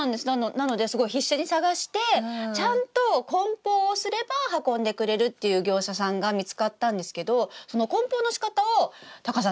なので必死に探してちゃんとこん包をすれば運んでくれるっていう業者さんが見つかったんですけどそのこん包のしかたをタカさん